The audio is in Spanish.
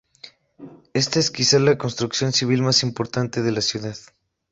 Esta es quizá la construcción civil más importante de la ciudad.